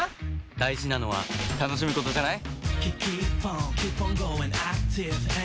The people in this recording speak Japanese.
大事なのは楽しむことじゃない？